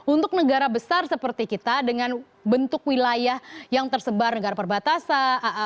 untuk negara besar seperti kita dengan bentuk wilayah yang tersebar negara perbatasan